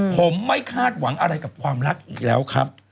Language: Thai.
ผมไม่คาดหวังอะไรกับความรักอีกแล้วครับ